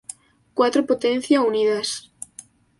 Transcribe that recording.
Cuatro potencia unidas.